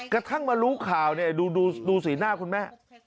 กระทั่งมารู้ข่าวเนี่ยดูสีหน้าคุณแม่